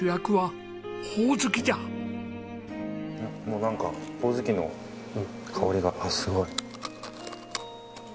もうなんかホオズキの香りがすごい。